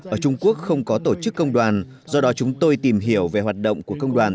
ở trung quốc không có tổ chức công đoàn do đó chúng tôi tìm hiểu về hoạt động của công đoàn